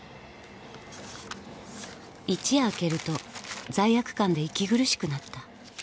一夜明けると罪悪感で息苦しくなった